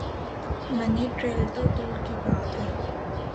منی trail تو دور کی بات ہے۔